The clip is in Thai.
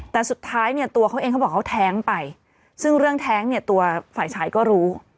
แต่สุดท้ายเนี่ยตัวเขาเองเขาบอกเขาแท้งไปซึ่งเรื่องแท้งเนี่ยตัวฝ่ายชายก็รู้